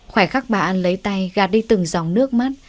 khoả khắc bà an lấy tay gạt đi từng dòng nước mắt